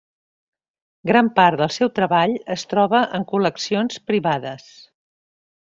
Gran part del seu treball es troba en col·leccions privades.